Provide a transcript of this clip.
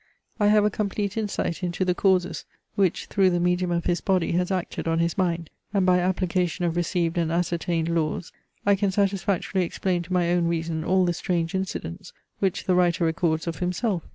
I have a complete insight into the causes, which through the medium of his body has acted on his mind; and by application of received and ascertained laws I can satisfactorily explain to my own reason all the strange incidents, which the writer records of himself.